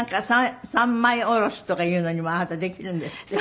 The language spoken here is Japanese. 三枚下ろしとかいうのにもあなたできるんですって？